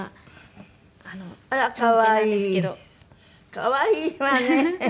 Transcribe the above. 可愛いわね！